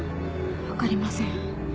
分かりません